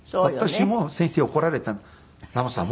私も先生に怒られたの。